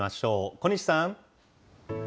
小西さん。